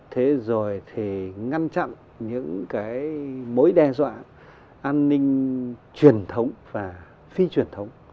thế rồi thì ngăn chặn những cái mối đe dọa an ninh truyền thống và phi truyền thống